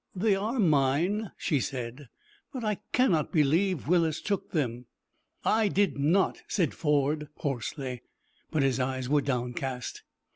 "They are mine," she said; "but I cannot believe Willis took them." "I did not," said Ford, hoarsely, but his eyes were downcast.